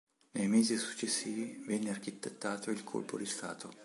Nei mesi successivi venne architettato il colpo di Stato.